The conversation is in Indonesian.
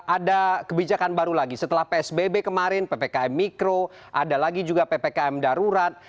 ada kebijakan baru lagi setelah psbb kemarin ppkm mikro ada lagi juga ppkm darurat